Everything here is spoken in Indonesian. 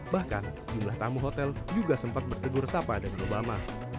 bahkan sejumlah tamu hotel juga sempat bertegur sapa dan obama